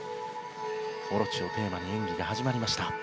「大蛇オロチ」をテーマに演技が始まりました。